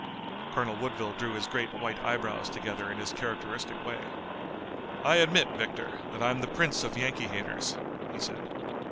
Colonel Woodville drew his great, white eyebrows together in his characteristic way. "I admit, Victor, that I'm the prince of Yankee haters," he said.